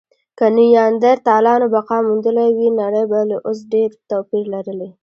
که نیاندرتالانو بقا موندلې وی، نړۍ به له اوس ډېر توپیر لرلی.